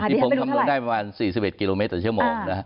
ที่ผมทำรถได้ประมาณ๔๑กิโลเมตรต่อชั่วโมง